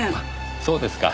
そうですか。